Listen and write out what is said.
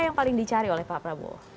yang paling dicari oleh pak prabowo